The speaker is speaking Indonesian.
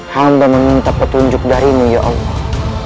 hamba meminta petunjuk darimu ya allah